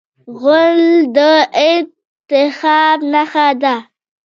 غول د التهاب نښه ده.